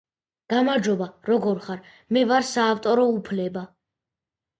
გამარჯობა, როგორ ხარ ? მე ვარ საავტორო უფლება